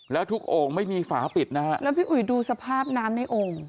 แล้วทุกโอ่งไม่มีฝาปิดนะฮะแล้วพี่อุ๋ยดูสภาพน้ำในโอ่ง